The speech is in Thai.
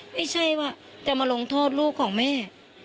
ไม่ใช่ว่าจะมาลงโทษลูกของแม่